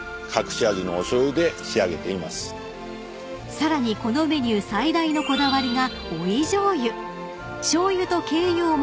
［さらにこのメニュー最大のこだわりが］